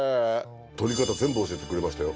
撮り方全部教えてくれましたよ。